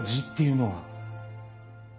痔っていうのは！